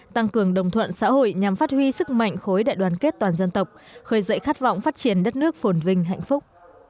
tăng cường đồng thuận xã hội nhằm phát huy sức mạnh khối đại đoàn kết toàn dân tộc khởi dậy khát vọng phát triển đất nước phồn vinh hạnh phúc